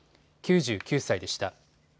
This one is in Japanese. ９９歳でした。